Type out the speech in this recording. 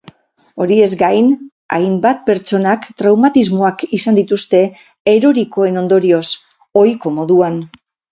Horiez gain, hainbat pertsonak traumatismoak izan dituzte erorikoen ondorioz, ohiko moduan.